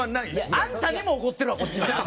あんたにもおごってるわこっちは！